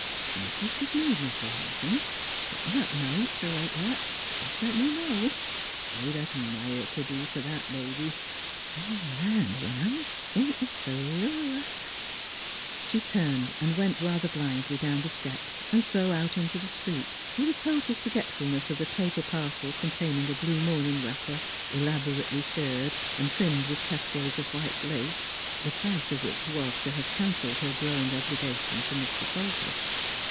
" 'N' ef you sh'd need me fer anythin', settin' up nights, er like that, jes' let me know. I'd ad mire t' do fer that baby. ... Land! when I think o' Philura " She turned and went rather blindly down the steps and so out into the street, with a total for getfulness of the paper parcel containing a blue morning wrapper, elaborately shirred and trimmed with cascades of white lace, the price of which was to have cancelled her growing obliga tions to Mr. Salter.